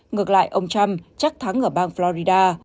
ngược lại ông trump chắc thắng ở bang florida